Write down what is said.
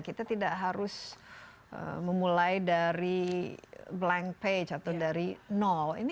kita tidak harus memulai dari blank page atau dari nol